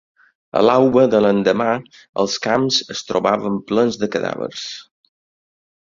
A l'alba de l'endemà, els camps es trobaven plens de cadàvers.